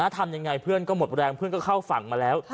ทำยังไงเพื่อนก็หมดแรงเพื่อนก็เข้าฝั่งมาแล้ว